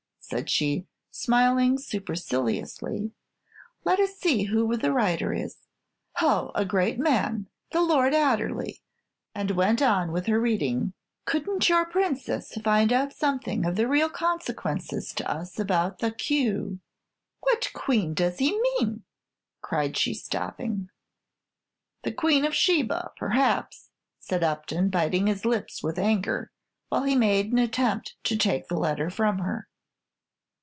said she, smiling superciliously. "Let us see who the writer is. Oh! a great man, the Lord Adderley," and went on with her reading:] couldn't your Princess find out something of real consequence to us about the Q " "What queen does he mean?" cried she, stopping. "The Queen of Sheba, perhaps," said Upton, biting his lips with anger, while he made an attempt to take the letter from her.